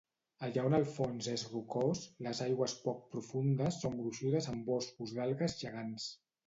Allà on el fons és rocós, les aigües poc profundes són gruixudes amb boscos d'algues gegants.